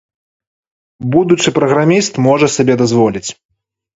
Будучы праграміст можа сабе дазволіць.